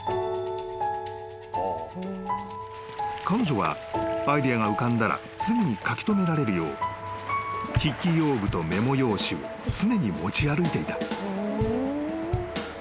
［彼女はアイデアが浮かんだらすぐに書き留められるよう筆記用具とメモ用紙を常に持ち歩いていた］